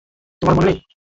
তোমার মনে নেই?